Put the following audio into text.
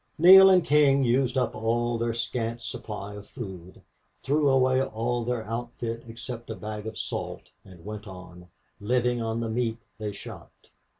Neale and King used up all their scant supply of food, threw away all their outfit except a bag of salt, and went on, living on the meat they shot.